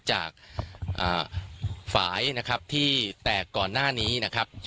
จากฝ่ายนะครับที่แตกก่อนหน้านี้นะครับ